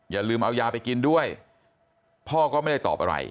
อย่าลืมเอายาไปกินด้วยพ่อก็ไม่ได้ตอบอะไร